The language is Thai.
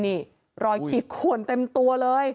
นี่รอยขีดขวนเต็มตัวเลย